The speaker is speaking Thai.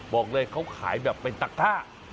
บอกเลยเขาขายแบบเป็นตะก้า